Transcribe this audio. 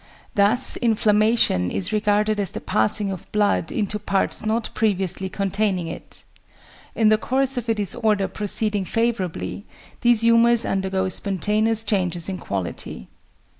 Thus inflammation is regarded as the passing of blood into parts not previously containing it. In the course of a disorder proceeding favourably, these humours undergo spontaneous changes in quality.